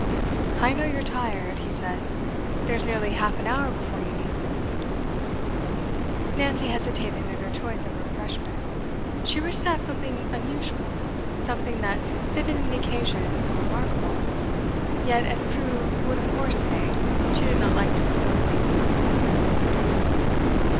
'I know you're tired,' he said. 'There's nearly half an hour before you need move.' Nancy hesitated in her choice of a refreshment. She wished to have something unusual, something that fitted an occasion so remarkable, yet, as Crewe would of course pay, she did not like to propose anything expensive.